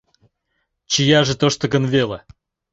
— Чияже тошто гын веле...